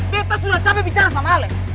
betta sudah capek bicara sama ale